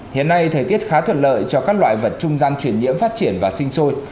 hiện nay thời tiết khá thuận lợi cho các loại vật trung gian chuyển nhiễm phát triển và sinh sôi